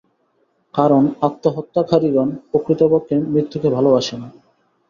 কারণ আত্মহত্যাকারিগণ প্রকৃতপক্ষে মৃত্যুকে ভালবাসে না।